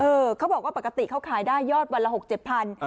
เขาบอกว่าปกติเขาขายได้ยอดวันละ๖๗พัน